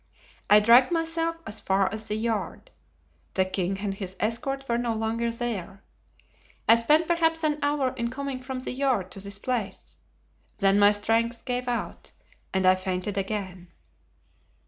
I dragged myself as far as the yard. The king and his escort were no longer there. I spent perhaps an hour in coming from the yard to this place; then my strength gave out and I fainted again."